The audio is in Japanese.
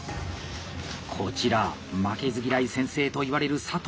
こちら「負けず嫌い先生」といわれる佐藤葵。